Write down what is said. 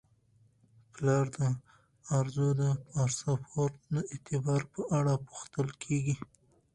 پلار د ارزو د پاسپورت د اعتبار په اړه پوښتل کیږي.